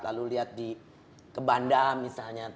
lalu lihat di ke bandar misalnya